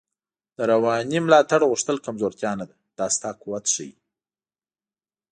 د روانی ملاتړ غوښتل کمزوتیا نده، دا ستا قوت ښایی